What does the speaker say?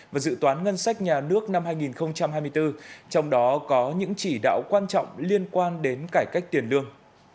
và dự toán ngân sách nhà nước năm hai nghìn hai mươi bốn trong đó có những chỉ đạo quan trọng liên quan đến cải cách tiền lương